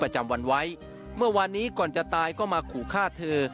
จำวันไว้เมื่อวานนี้ก่อนจะตายก็มาขู่ฆ่าเธอ